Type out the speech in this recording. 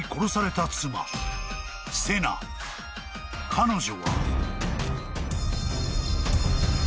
［彼女は］